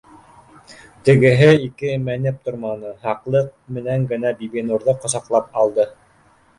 Тегеһе ике- мәнеп торманы, һаҡлыҡ менән генә Бибинурҙы ҡосаҡлап алды